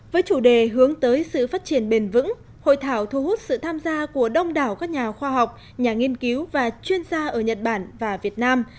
với chủ đề hướng tới sự phát triển bền vững hội thảo thu hút sự tham gia của đông đảo các nhà khoa học nhà nghiên cứu và chuyên gia ở nhật bản và việt nam